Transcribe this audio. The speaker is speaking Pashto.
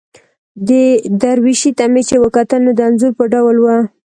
دې درویشي ته مې چې وکتل، نو د انځور په ډول وه.